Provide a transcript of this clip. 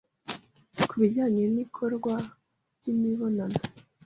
ku bijyanye n'ikorwa ry'imibonano